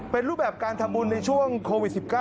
เป็นรูปแบบการทำบุญในช่วงโควิด๑๙